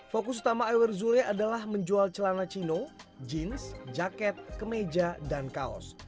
fokus utama iwer zule adalah menjual celana cino jeans jaket kemeja dan kaos